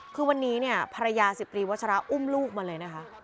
คือวันนี้เนี่ยภรรยาสิบตรีวัชระอุ้มลูกมาเลยนะคะ